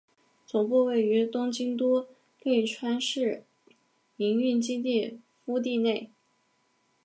总部位于东京都立川市营运基地敷地内。